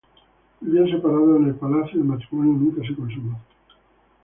Vivían separados en el palacio y el matrimonio nunca se consumó.